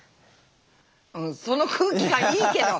その空気感いいけど。